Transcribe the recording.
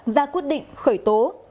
ra quyết định khởi tố